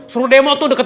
suruh demo tuh deket